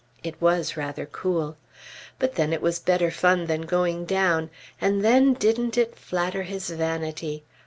It was rather cool! But then it was better fun than going down. And then didn't it flatter his vanity!